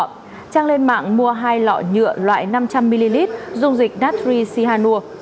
trang lên mạng mua hai lọ nhựa loại năm trăm linh ml dung dịch natri sianua